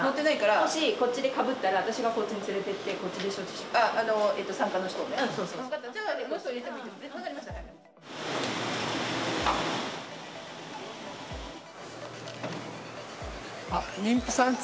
もしこっちでかぶったら、私がこっちに連れていって、こっちで処置します。